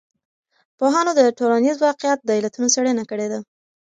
پوهانو د ټولنیز واقعیت د علتونو څېړنه کړې ده.